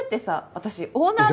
私オーナーだよ？